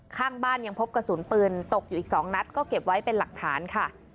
ข้างบ้านยังพบกระสุนปืนตกอยู่อีก๒นัดก็เก็บไว้เป็นหลักฐานค่ะ